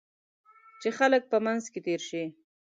چې خلک په منځ کې تېر شي.